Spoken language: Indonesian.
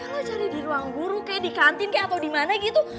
kalau cari di ruang guru kayak di kantin kayak atau di mana gitu